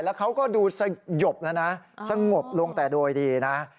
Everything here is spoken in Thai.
แล้วเขาก็ดูสยบแล้วนะสงบลงแต่โดยดีนะ